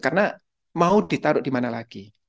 karena mau ditaruh dimana lagi